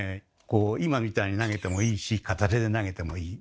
こう今みたいに投げてもいいし片手で投げてもいい。